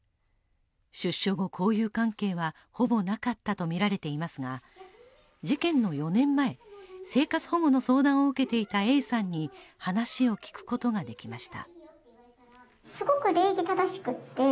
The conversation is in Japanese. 出所後、交友関係はほぼなかったとみられていますが事件の４年前、生活保護の相談を受けていたＡさんに話を聞くことができました。